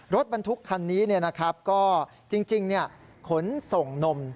รถบรรทุกคันนี้ก็จริงขนส่งนม